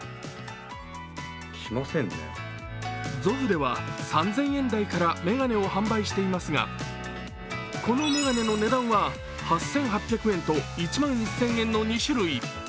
Ｚｏｆｆでは３０００円台から眼鏡を販売していますが、この眼鏡の値段は８８００円と１万１０００円の２種類。